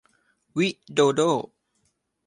วิโดโด้